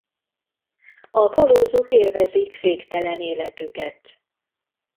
A kalózok élvezik féktelen életüket.